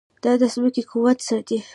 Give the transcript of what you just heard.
دا د ځمکې قوت ساتي.